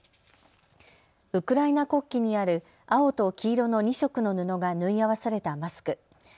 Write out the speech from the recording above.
ウクライナ国旗にある青と黄色の２色の布が縫い合わされたマスク。